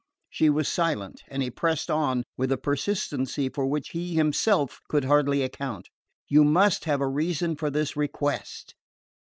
She was silent, and he pressed on with a persistency for which he himself could hardly account: "You must have a reason for this request."